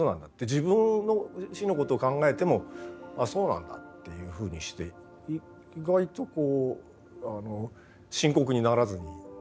自分の死のことを考えても「あそうなんだ」っていうふうにして意外とこうあの深刻にならずに。